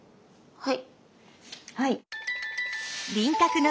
はい。